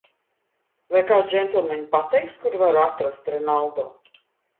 Vai kāds, džentelmeņi, pateiks, kur varu atrast Renaldo?